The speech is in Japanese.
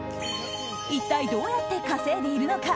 一体どうやって稼いでいるのか。